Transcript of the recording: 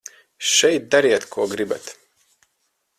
Šeit dariet, ko gribat.